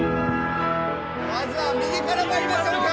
まずは右からまいりましょうか！